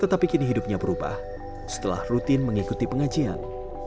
tetapi kini hidupnya berubah setelah rutin mengikuti pengajian